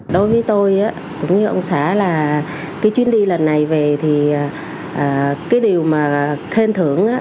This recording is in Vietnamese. đối với tôi cũng như ông xã là cái chuyến đi lần này về thì cái điều mà khen thưởng